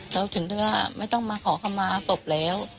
เราถึงด้วยว่าไม่ต้องมาขอขมาตกแล้ว